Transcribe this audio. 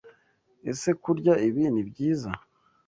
Ese kurya ibi ni byiza?